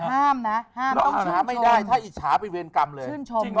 ต้องชื่นชม